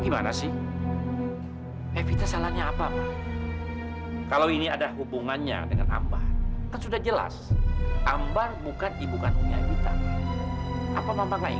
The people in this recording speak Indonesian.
mainkan gamenya dapetin plusnya